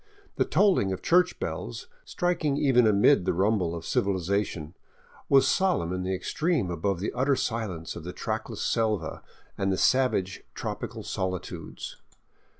The tolling of church bells, striking even amid the rumble of civilization, was solemn in the extreme above the utter silence of the trackless seha and savage tropical solitudes.